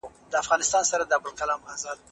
اسلام د شخصي ملکیت مخنیوی نه کوي.